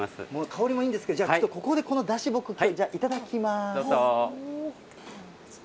香りもいいんですけど、じゃあ、ここでだし、僕きょう、いただきます。